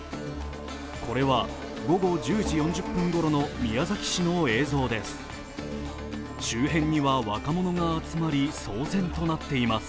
これは午後１０時４０分ごろの宮崎市の映像です。